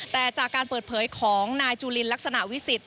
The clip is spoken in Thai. แต่จากการเปิดเผยของนายจุลินลักษณะวิสิทธิ